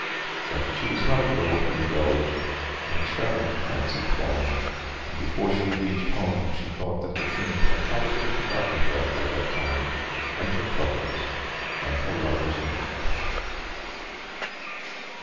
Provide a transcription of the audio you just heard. But she was not a girl who indulged in extravagant fancies long, and before she reached home she thought that the King had probably forgotten her by that time, and her troubles, and her lover's name.